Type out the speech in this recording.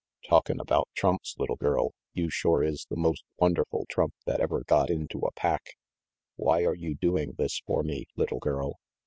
"Talkin' about trumps, little girl, you shore is the most wonderful trump that ever got into a pack. Why are you doing this for me, little girl?"